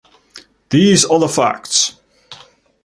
These are the facts.